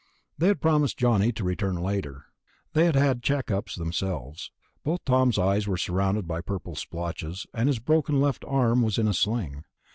They had promised Johnny to return later. They had had check ups themselves. Both Tom's eyes were surrounded by purple splotches, and his broken left arm was in a sling.